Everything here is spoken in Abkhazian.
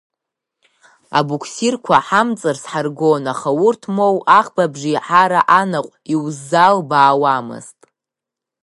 Абуксирқәа ҳамҵарс ҳаргон, аха урҭ моу, аӷба абжеиҳара анаҟә иузалбаауамызт.